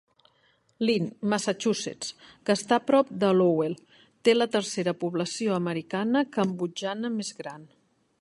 Lynn, Massachusetts, que està prop de Lowell, té la tercera població americana cambodjana més gran.